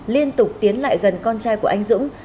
liên tục tiến lại gần con trai của anh dũng